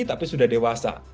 tapi sudah dewasa